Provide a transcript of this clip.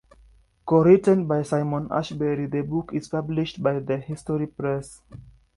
Co-written by Simon Ashberry, the book is published by The History Press.